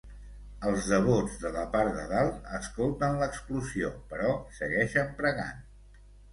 Els devots de la part de dalt escolten l'explosió però segueixen pregant.